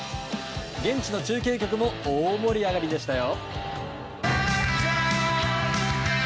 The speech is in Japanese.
現地の中継局も大盛り上がりでしたよ。